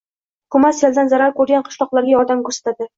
Hukumat seldan zarar ko‘rgan qishloqlarga yordam ko‘rsatadi